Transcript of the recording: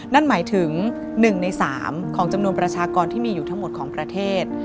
นั่นหมายถึง๑ใน๓ของจำนวนประชากรที่มีอยู่ทั้งหมดของประเทศ